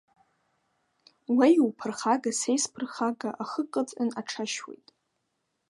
Уа иуԥырхага са исԥырхага, ахы кыдҟьан аҽашьуеит.